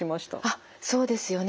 あっそうですよね。